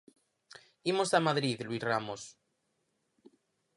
Imos a Madrid, Luís Ramos.